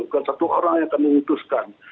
bukan satu orang yang akan mengutuskan